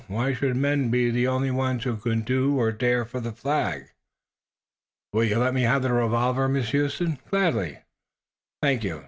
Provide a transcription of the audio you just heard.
"Why should men be the only ones who can do or dare for the Flag?" "Will you let me have the revolver, Miss Huston?" "Gladly." "Thank you.